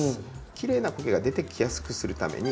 きれいなコケが出てきやすくするために。